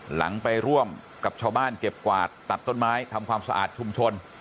หลังไปร่วมกับชาวบ้านเก็บกวาดตัดต้นไม้ทำความสะอาดชุมชน